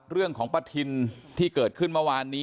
เรื่องของประทินที่เกิดขึ้นเมื่อวานนี้